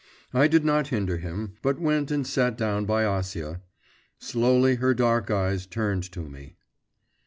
I did not hinder him, but went and sat down by Acia. Slowly her dark eyes turned to me.